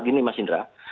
gini mas indra